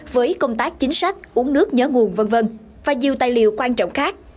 với công tác chính sách uống nước nhớ nguồn v v và nhiều tài liệu quan trọng khác